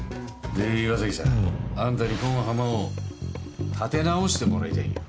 で岩崎さん。あんたにこん浜を立て直してもらいたいんよ。